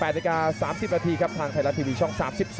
นาที๓๐นาทีครับทางไทยรัฐทีวีช่อง๓๒